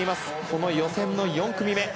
この予選４組目。